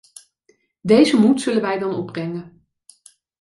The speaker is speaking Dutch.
Deze moed zullen wij dan opbrengen.